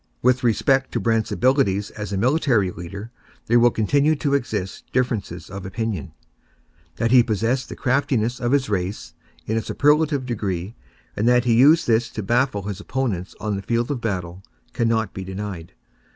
With respect to Brant's abilities as a military leader, there will continue to exist differences of opinion. That he possessed the craftiness of his race in a superlative degree, and that he used this to baffle his opponents on the field of battle, cannot be denied.